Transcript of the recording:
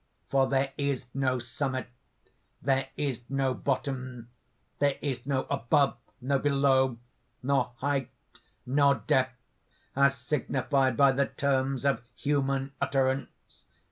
For there is no summit, there is no bottom; there is no Above, no Below nor height, nor depth as signified by the terms of human utterance.